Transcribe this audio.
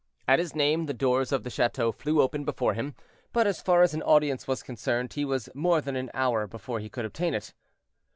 At his name, the doors of the chateau flew open before him, but, as far as an audience was concerned, he was more than an hour before he could obtain it.